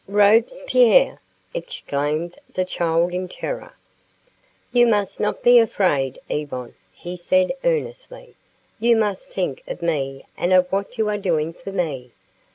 "Robespierre?" exclaimed the child in terror. "You must not be afraid, Yvonne," he said earnestly; "you must think of me and of what you are doing for me.